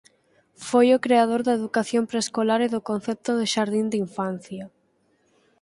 Foi o creador da educación preescolar e do concepto de xardín de infancia.